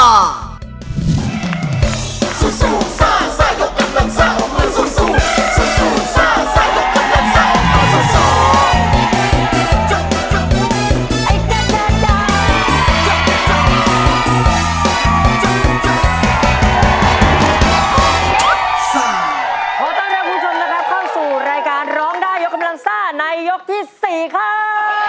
ขอต้อนรับคุณผู้ชมนะครับเข้าสู่รายการร้องได้ยกกำลังซ่าในยกที่๔ครับ